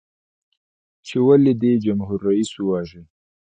چې ولې دې جمهور رئیس وواژه؟